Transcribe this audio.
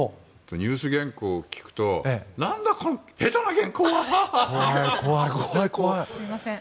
ニュース原稿を聞くとなんだ、この下手な原稿はって。すみません。